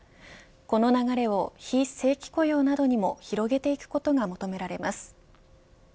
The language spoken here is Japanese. この流れを、非正規雇用などにも広げていくことなどが求められます。